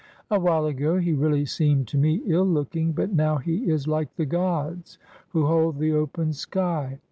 A while ago, he really seemed to me ill looking, but now he is like the gods who hold the open sky.